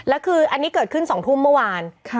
แล้วคืออันนี้เกิดขึ้น๒ทุ่มเมื่อวาน